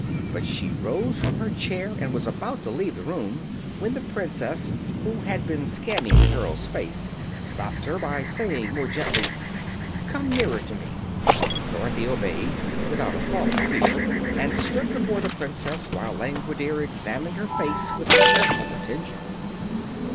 But she rose from her chair, and was about to leave the room when the Princess, who had been scanning the girl's face, stopped her by saying, more gently: "Come nearer to me." Dorothy obeyed, without a thought of fear, and stood before the Princess while Langwidere examined her face with careful attention.